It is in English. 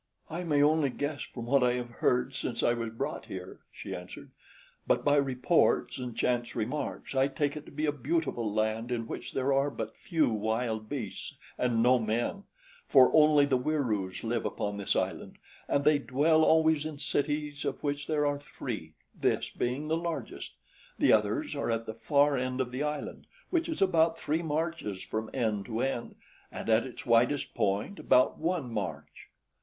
"I may only guess from what I have heard since I was brought here," she answered; "but by reports and chance remarks I take it to be a beautiful land in which there are but few wild beasts and no men, for only the Wieroos live upon this island and they dwell always in cities of which there are three, this being the largest. The others are at the far end of the island, which is about three marches from end to end and at its widest point about one march."